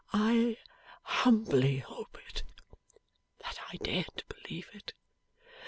I humbly hope it; but I daren't believe it.